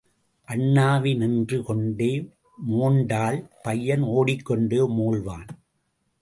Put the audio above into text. அண்ணாவி நின்று கொண்டே மோண்டால் பையன் ஓடிக் கொண்டே மோள்வான்.